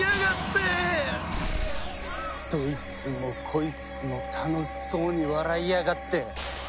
どいつもこいつも楽しそうに笑いやがって。